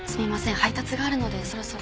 配達があるのでそろそろ。